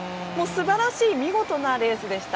素晴らしい見事なレースでした。